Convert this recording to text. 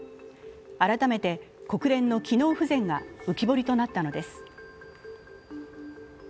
改めて国連の機能不全が浮き彫りとなったのです。